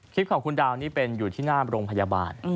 ของคุณดาวนี่เป็นอยู่ที่หน้าโรงพยาบาล